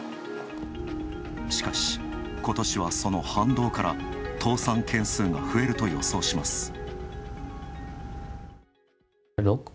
しかし、ことしはその反動から倒産件数が増えると予想します。